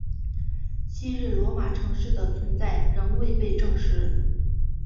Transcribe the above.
昔日罗马城市的存在仍未被证实。